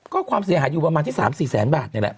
ก็ความเสียหายอยู่ประมาณที่๓๔แสนบาทนี่แหละ